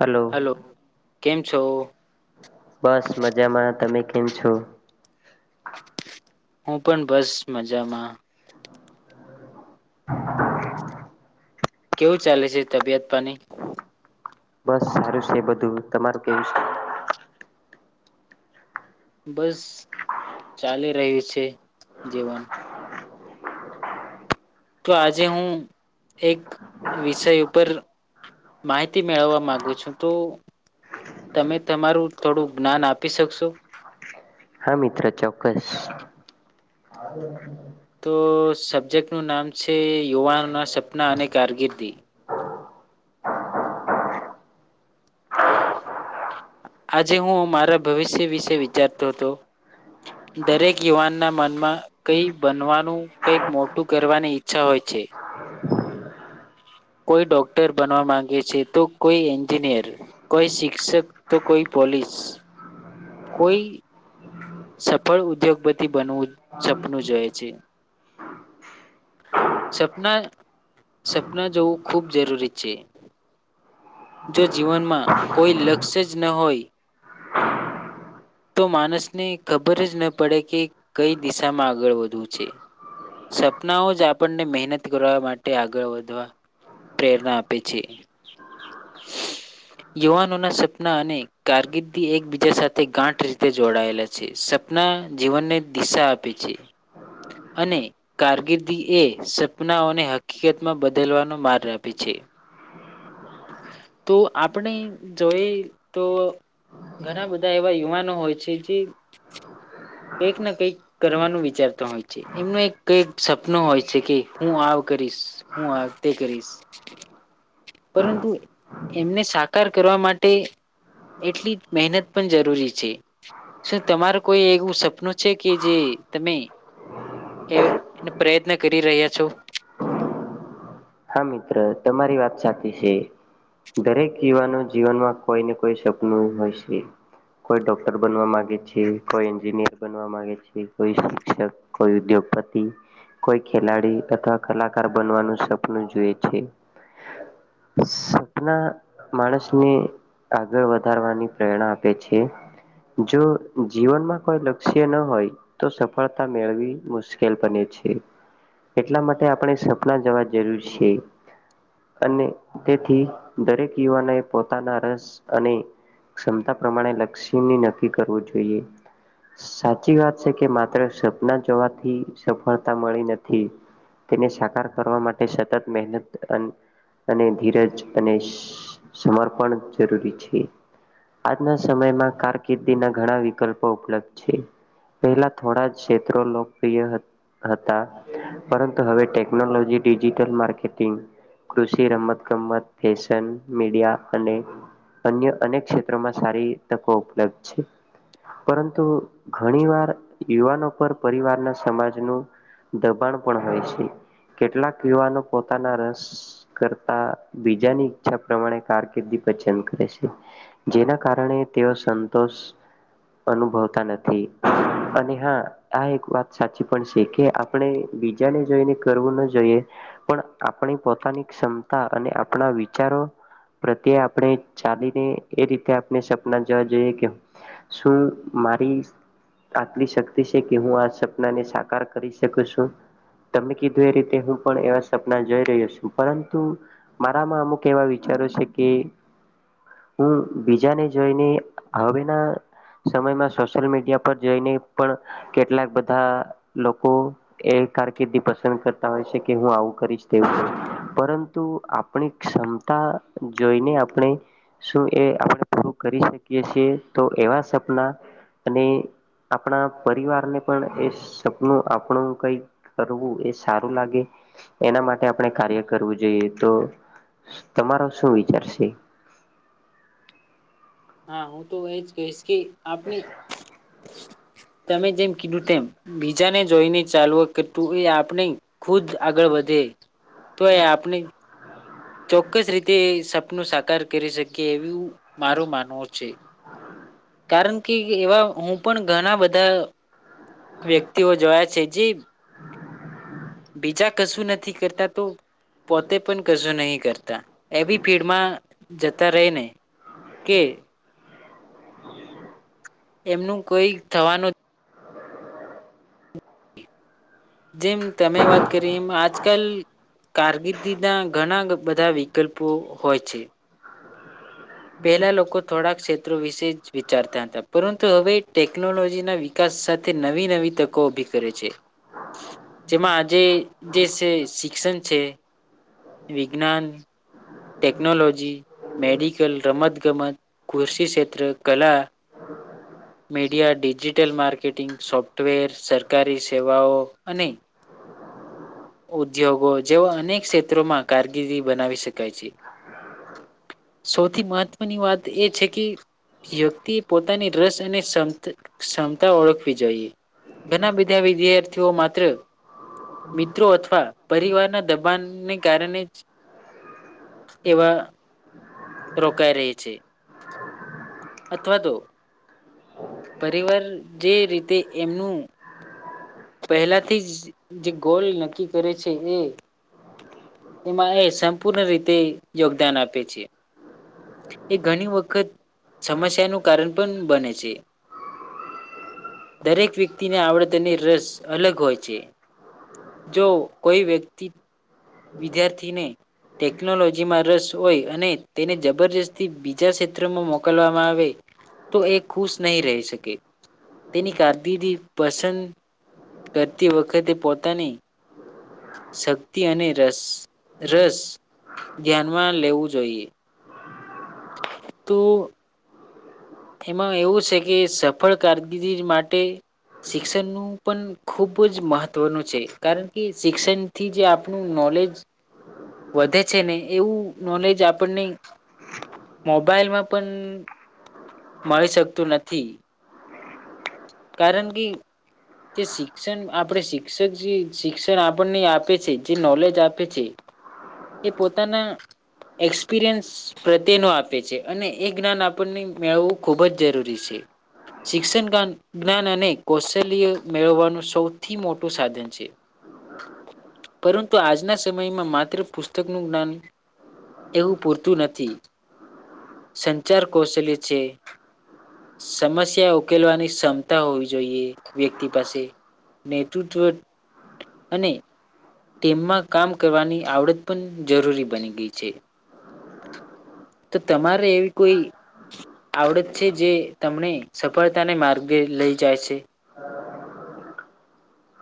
Hello, કેમ છો બસ મજામાં તમે કેમ છો? હું પણ બસ મજામાં. [inaudible] કેવું ચાલે છે તબિયત પાની. બસ સારું છે બધું તમારું કેવું છે? બસ ચાલી રહ્યું છે જીવન. તો આજે હું એક વિષય ઉપર માહિતી મેળવવા મામાંગુ છું તો તમે તમારું થોડું જ્ઞાન આપી શકશો? હા મિત્ર ચોક્કસ. તો સબ્જેક્ટનું નામ છે યુવાનોના સપના અને કારકિર્દી. આજે હું મારા ભવિષ્ય વિશે વિચારતો હતો, દરેક યુવાનના મનમાં કઈ બનવાનું કઈક મોટું કરવાની ઈચ્છા હોય છે. કોઈ ડોક્ટર બનવા માંગે છે તો કોઈ એન્જિનિયર, કોઈ શિક્ષક તો કોઈ પોલીસ. કોઈ સફળ ઉદ્યોગપતિ બનવું સપનું જોએ છે, સપના સપના જોવું ખૂબ જરૂરી છે, જો જીવનમાં કોઈ લક્ષ જ ન હોય. તો માણસને ખબર જ ન પડે કે કઈ દિશામાં આગળ વધવું છે, સપનાઓ જ આપણને મહેનત કરવા માટે આગળ વધવા પ્રેરણા આપે છે, યુવાનોના સપના અને કારગિર્દ એકબીજા સાથે ગાંઠ રીતે જોડાયેલા છે સપના જીવનને દિશા આપે છે, અને કારકિર્દી એ સપનાઓને હકીકતમાં બદલવાનો માર્ગ આપે છે. તો આપણે જોઈ તો ઘણા બધા એવા યુવાનો હોય છે જે કંઈક ને કંઈક કરવાનું વિચારતા હોય છે એમનું એક કઈક સપનું હોય છે કે હું આવ કરીશ હું તે કરીશ પરંતુ એમને સાકાર કરવા માટે એટલી મહેનત પણ જરૂરી છે શું તમાર કોઈ એવું સપનું છે કે જે તમે એ પ્રયત્ન કરી રહ્યા છો હા, મિત્ર તમારી વાત સાચી છે દરેક યુવાનો જીવનમાં કોઈ ને કોઈ સપનું હોય છે કોઈ ડોક્ટર બનવા માંગે છે કોઈ એન્જિનિયર બનવા માંગે છે કોઈ શિક્ષક કોઈ ઉદ્યોગપતિ કોઈ ખેલાડી અથવા કલાકાર બનવાનું સપ આપણે જોઈએ છે, સપના માણસને આગળ વધારવાની પ્રેરણા આપે છે, જો જીવનમાં કોઈ લક્ષ્ય ન હોય તો સફળતા મેળવી મુશ્કેલ બને છે, એટલા માટે આપણે સપના જવા એવી છે અને તેથી દરેક યુવાનો એ પોતાના રસ અને ક્ષમતા પ્રમાણે લક્ષીની નક્કી કરવું જોઈએ સાચી વાત છે કે માત્ર સપના જોવાથી સફળતા મળી નથી તેને સાકાર કરવા માટે સતત મહેનત અને ધીરજ અને સમર્પણ જરૂરી છે, આજના સમયમાં કારકિર્દીના ઘણા વિકલ્પો ઉપલબ્ધ છે પહેલા થોડા જ ક્ષેત્રો લોકપ્રિય હતા પરંતુ હવે ટેકનોલોજી ડિજિટલ માર્કેટિંગ, કૃષિ રમત ગમત, ફેશન મીડિયા અને અન્ય અનેક ક્ષેત્રોમાં સારી તકો ઉપલબ્ધ છે પરંતુ ઘણી વાર યુવાનો પર પરિવારના સમાજનું દબાણ પણ હોય છે કેટલાક યુવાનો પોતાના રસ કરતા બીજાની ઈચ્છા પ્રમાણે કારકિર્દી પસંદ કરે છે, જેના કારણે તેઓ સંતોષ અનુભવતા નથી અને હા આ એક વાત સાચી પણ છે કે આપણે બીજાને જોઈને કરવું ન જોઈએ પણ આપણી પોતાની ક્ષમતા અને આપણા વિચારો પ્રત્યે આપણે ચાલીને એ રીતે આપણે સપના જવા જોઈએ કે શું મારી આટલી શક્તિ છે કે હું આ સપનાને સાકાર કરી શકુ છું તમે કીધું એ રીતે હું પણ એવા સપના જોઈ રહ્યો છું પરંતુ મારામાં અમુક એવા વિચારો છે કે હું બીજાને જોઈને હવેના સમયમાં સોશિયલ મીડિયા પર જોઈને પણ કેટલાક બધા લોકો એ કારકિર્દી પસંદ કરતા હોય છે કે હું આવું કરીશ તેવું કરીશ, પરંતુ આપણી ક્ષમતા જોઈને આપણે શું એ આપણે પૂરું કરી શકીએ છીએ તો એવા સપના અને આપણા પરિવારને પણ એ સપનું આપણું કઈ કરવું એ સારું લાગે એના માટે આપણે કાર્ય કરવું જોઈએ તો તમારો શું વિચારશે હા હું તો એજ કહીશ કે આપણે તમે જેમ કીધું તેમ બીજાને જોઈને ચાલુ કરતું એ આપણે ખુદ આગળ વધે તો એ આપની ચોક્કસ રીતે એ સપનું સાકાર કરી શકે એવું મારું માનવું છે કારણ કે એવા હું પણ ઘણા બધા વ્યક્તિઓ જોયા છે જે બીજા કશું નથી કરતા તો પોતે પણ કશું નહી કરતા એવી ભીડમાં જતા રહીને કે એમનું કોઈ થવાનું જેમ તમે વાત કરી એમ આજકાલ કારકિર્દીના ઘણા બધા વિકલ્પો હોય છે પહેલા લોકો થોડાક ક્ષેત્રો વિશે જ વિચારતા હતા પરંતુ હવે ટેકનોલોજીના વિકાસ સાથે નવી નવી તકો ઊભી કરે છે જેમાં આજે જે શે શિક્ષણ છે વિજ્ઞાન ટેકનોલોજી, મેડિકલ, રમત ગમત, કૃષિ ક્ષેત્ર, કલા, મીડિયા, ડિજિટલ માર્કેટિંગ, સોફ્ટવેર, સરકારી સેવાઓ અને ઉદ્યોગો જેવા અનેક ક્ષેત્રોમાં કારકિર્દી બનાવી શકાય છે સૌથી મહત્વની વાત એ છે કે વ્યક્તિ પોતાની રસ અને ક્ષમતા ઓળખવી જોઈએ ઘણા બધા વિદ્યાર્થીઓ માત્ર મિત્રો અથવા પરિવારના દબાણને કારણે જ એવા રોકાઈ રે છે અથવા તો પરિવાર જે રીતે એમનું પહેલાથી જ જે ગોલ નક્કી કરે છે એ એમાં એ સંપૂર્ણ રીતે યોગદાન આપે છે, એ ઘણી વખત સમસ્યાનું કારણ પણ બને છે, દરેક વ્યક્તિને આવડતની રસ અલગ હોય છે, જો કોઈ વ્યક્તિ વિદ્યાર્થીને ટેકનોલોજીમાં રસ હોય અને તેને જબરજસ્તી બીજા ક્ષેત્રમાં મોકલવામાં આવે તો એ ખુશ નહીં રહી શકે, તેની કારકિર્દી પસંદ કરતી વખતે પોતાની શક્તિ અને રસ, રસ, ધ્યાનમાં લેવું જોઈએ તો એમાં એવું છે કે સફળ કારકિર્દી માટે શિક્ષણનું પણ ખૂબ જ મહત્વનું છે, કારણ કે શિક્ષણથી જે આપણું નોલેજ વધે છે ને એવું નોલેજ આપણને મોબાઈલમાં પણ મળી શકતું નથી કારણ કે જે શિક્ષણ આપ શિક્ષક જે શિક્ષણ આપણને આપે છે, જે નોલેજ આપે છે, એ પોતાના એક્સપિરિયન્સ પ્રત્યેનો આપે છે, અને એ જ્ઞાન આપણને મેળવવું ખૂબ જ જરૂરી છે, શિક્ષણ [unintelligible] જ્ઞાન અને કૌશલ્ય. મેળવાનું સૌથી મોટું સાધન છે, પરંતુ આજના સમયમાં માત્ર પુસ્તકનું જ્ઞાન એવું પૂરતું નથી સંચાર કૌશલ્ય છે, સમસ્યા ઉકેલવાની ક્ષમતા હોવી જોઈએ વ્યક્તિ પાસે તૃત્વ અને તેમાં કામ કરવાની આવડત પણ જરૂરી બની ગઈ છે, તો તમારે. [unintelligible] આવડત છે, જે તમને સફળતાને માર્ગે લઈ જાય છે.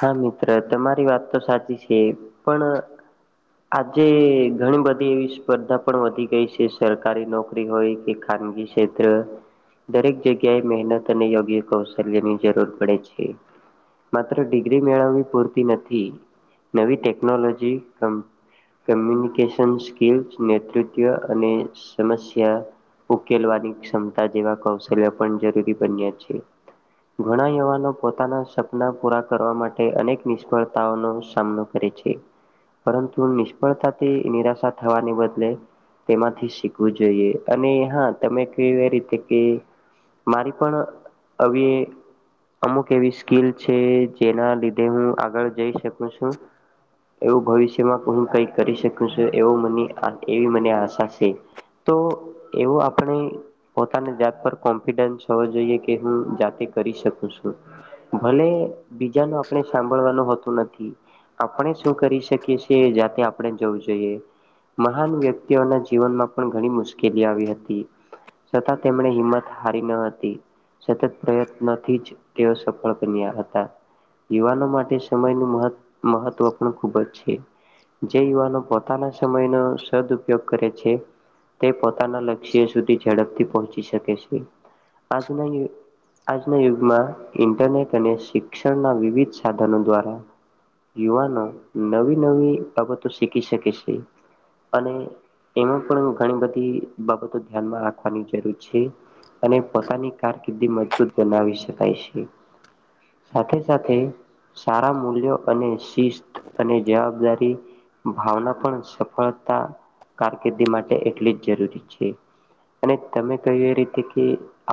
હા મિત્ર તમારી વાત તો સાચી છે, પણ આજે ઘણી બધી એવી સ્પર્ધા પણ વધી ગઈ છે, સરકારી નોકરી હોય કે ખાનગી ક્ષેત્ર દરેક જગ્યાએ મહેનત અને યોગ્ય કૌશલ્યની જરૂર પડે છે. ડિગ્રી મેળવ પૂરતી નથી નવી ટેકનોલોજી [unintelligible] કમ્યુનિકેશન સ્કિલ નેતૃત્વ અને સમસ્યા ઉકેલવાની ક્ષમતા જેવા કૌશલ્ય પણ જરૂરી બન્યા છે, ઘણા યુવાનો પોતાના સપના પૂરા કરવા માટે અનેક નિષ્ફળતાઓનો સામનો કરે છે, પરંતુ નિષ્ફળતાથી નિરાશા થવાને બદલે તેમાંથી શીખવું જોઈએ અને હા તમે કે એ રીતે કે મારી પણ અમુક [unintelligible] સ્કીલ છે. જેના લીધે હું આગળ જઈ શકું છું એવું ભવિષ્યમાં હું કઈ કરી શકું છું, એવ [unintelligible] એવી મને આશા છે, તો એવું આપણે પોતાની જાત પર કોન્ફિડન્સ હોવો જોઈએ કે હું જાતે કરી શકું છું, ભલે બીજા આપણે સાંભળવાનુંતું નથી આપણે શું કરી શકીએ છીએ જાતે આપણે જવું જોઈએ મહાન વ્યક્તિઓના જીવનમાં પણ ઘણી મુશ્કેલી આવી હતી છતા તેમણે હિંમત હારી ન હતી સતત પ્રયત્નથી જ તેઓ સફળ બન્યા હતા. યુવાનો માટે સમયનું મહ મહત્વ પણ ખૂબ જ છે, જે યુવાનો પોતાના સમયનો સદ ઉપપયોગ કરે છે, તે પોતાના લક્ષ્ય સુધી ઝડપથી પહોંચી શકે છે, આજના આજના યુગમાં ઇન્ટરનેટ અને શિક્ષણના વિવિધ સાધનો દ્વારા યુવાનો નવી નવી બાબતો શીખી શકે છે, અને એમાં પણ ઘણી બધી બાબતો ધ્યાનમાં રાખવાની જરૂર છે. [unintelligible] બનાવી શકાય છે. સાથે સાથે સારા મૂલ્યો અને શિસ્ત અને જવાબદારી ભાવના પણ સફળતા કારકિર્દી માટે એટલી જ જરૂરી છે, અને તમે કહ્યું એ રીતે કે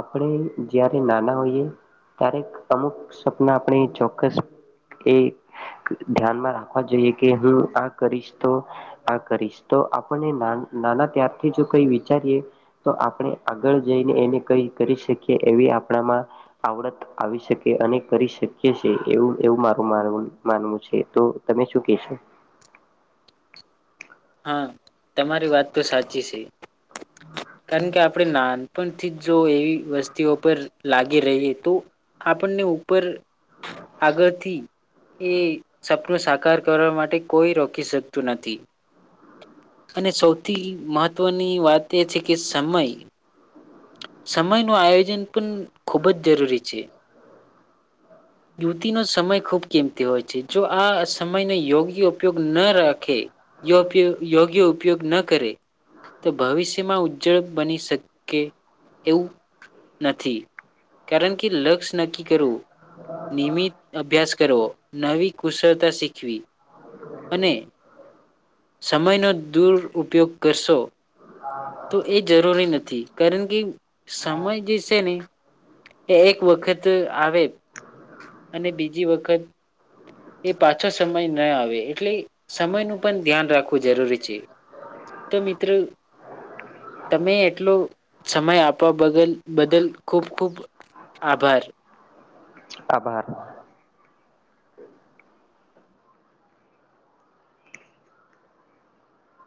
આપણે જ્યારે નાના હોઈએ ત્યારે અમુક. સપના આપણે ચોક્કસ એ ધ્યાનમાં રાખવા જોઈએ કે હું આ કરીશ તો આ કરીશ તો આપણને નાના ત્યારથી જો કઈ વિચારીએ તો આપણે આગળ જઈને એને કઈ કરી શકીએ એવી આપણામાં આવડત આવી શકે. કે અને કરી શકીએ છે, એવું એવું મારું [unintelligible] માનવું છે, તો તમે શું કેશો. હા તમારી વાત તો સાચી છે. [inaudible] કારણ કે આપણે નાનપણથી જો એવી [unintelligible] પર લાગી રહીએ તો આપણને ઉપર આગળથી એ સપનું સાકાર કરવા માટે કોઈ રોકી શકતું નથી અને સૌથી મહત્વની વાત એ છે. કે સમય સમય નું આયોજન પણ ખૂબ જ જરૂરી છે, યુવતી ન સમય ખૂબ કિંમતી હોય છે, જો આ સમયનો યોગ્ય ઉપયોગ ન રાખે યોગ્ય ઉપયોગ ન કરે તો ભવિષ્યમાં. [unintelligible] બની શકે એવું નથી કારણ કે લક્ષ નક્કી કરવું નિયમિત અભ્યાસ કરવો નવી કુશળતા શીખવી અને સમયનો દૂર ઉપયોગ કરશો. તો એ જરૂરી ન [unintelligible] કારણ કે સમય જે છે, ને એ એક વખત આવે અને બીજી વખત એ પાછો સમય ન આવે એટલે સમયનું પણ ધ્યાન રાખવું જરૂરી છે, તો મિત્રો. તમે એટલો સમય આપવા બગલ બદલ ખૂબ ખૂબ આભાર. આભાર